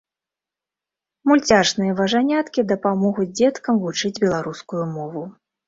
Мульцяшныя важаняткі дапамогуць дзеткам вучыць беларускую мову.